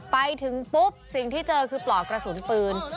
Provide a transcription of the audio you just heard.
ไปถึงปุ๊บสิ่งที่เจอคือปลอกกระสุนปืน